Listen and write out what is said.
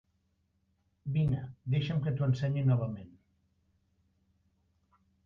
Vine, deixa'm que t'ho ensenyi novament.